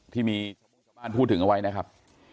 ที่บ้านพูดถึงเอาไว้นะครับ